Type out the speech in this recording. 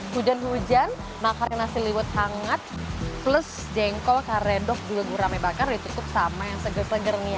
hujan hujan makannya nasi liwet hangat plus jengkol karedok juga gurame bakar ditutup sama yang seger seger nih